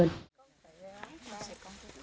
với phụ nữ dân tộc thiểu số